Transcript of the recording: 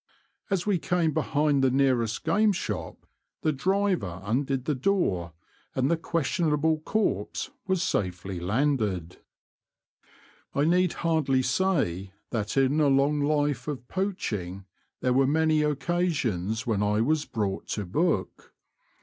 As we came behind the nearest game shop the driver undid the door, and the questionable corpse was safely landed. I need hardly say that in a long life of poaching there were many occasions when I was brought to book.